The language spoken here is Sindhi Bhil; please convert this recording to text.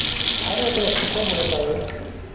ٿر هڪڙو سُٺو ملڪ اهي